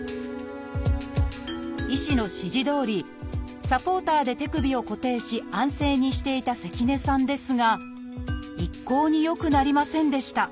医師の指示どおりサポーターで手首を固定し安静にしていた関根さんですが一向に良くなりませんでした。